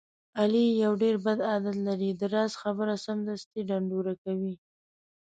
علي یو ډېر بد عادت لري. د راز خبره سمدلاسه ډنډوره کوي.